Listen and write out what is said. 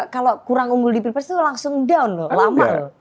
kalau kurang unggul di pilpres tuh langsung down loh lama loh